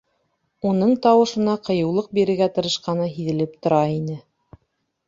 Уның тауышына ҡыйыулыҡ бирергә тырышҡаны һиҙелеп тора ине.